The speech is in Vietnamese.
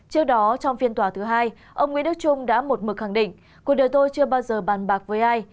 trước đó trong phiên tòa thứ hai ông nguyễn đức trung đã một mực khẳng định cuộc đời tôi chưa bao giờ bàn bạc với ai